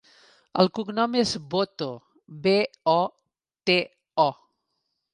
El cognom és Boto: be, o, te, o.